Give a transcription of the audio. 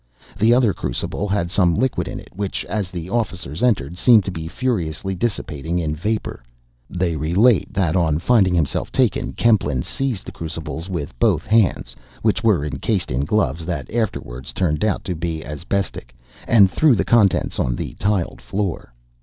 The other crucible had some liquid in it, which, as the officers entered, seemed to be furiously dissipating in vapor. They relate that, on finding himself taken, Kempelen seized the crucibles with both hands (which were encased in gloves that afterwards turned out to be asbestic), and threw the contents on the tiled floor.